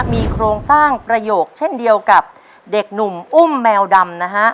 มีโครงสร้างประโยคเช่นเดียวกับเด็กหนุ่มอุ้มแมวดำนะฮะ